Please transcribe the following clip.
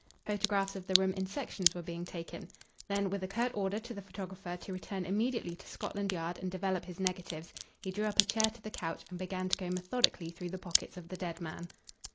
Photographs of the room in sections were being taken. Then with a curt order to the photographer to return immediately to Scotland Yard and develop his negatives, he drew up a chair to the couch and began to go methodically through the pockets of the dead man.